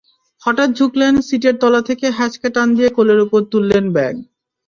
হঠাৎ ঝুঁকলেন, সিটের তলা থেকে হ্যাঁচকা টান দিয়ে কোলের ওপর তুললেন ব্যাগ।